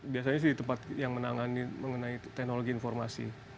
biasanya sih di tempat yang menangani mengenai teknologi informasi